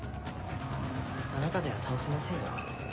あなたでは倒せませんよ。